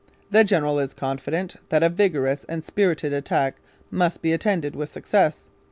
The General is confident that a vigorous & spirited attack must be attended with success.